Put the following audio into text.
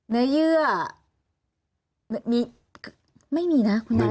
เนื้อเยื่อไม่มีนะคุณน้าเลย